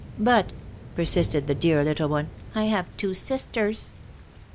'But,' persisted the dear little one, 'I have two sisters.'